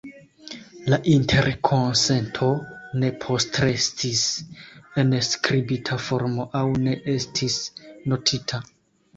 La interkonsento ne postrestis en skribita formo aŭ ne estis notita.